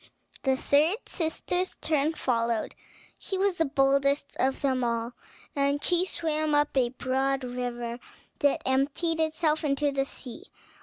The third sister's turn followed; she was the boldest of them all, and she swam up a broad river that emptied itself into the sea.